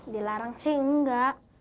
dilarang sih enggak